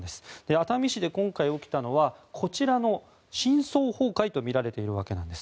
熱海市で今回起きたのはこちらの深層崩壊とみられているわけなんです。